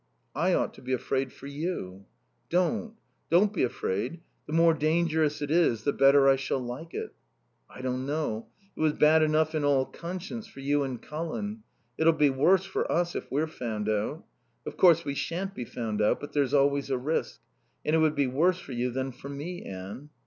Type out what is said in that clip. "I ought to be afraid for you." "Don't. Don't be afraid. The more dangerous it is the better I shall like it." "I don't know. It was bad enough in all conscience for you and Colin. It'll be worse for us if we're found out. Of course we shan't be found out, but there's always a risk. And it would be worse for you than for me, Anne."